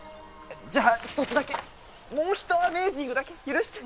じゃあ１つだけもう１アメージングだけ許して。